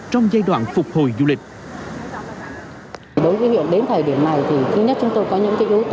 trong giai đoạn phục hồi du lịch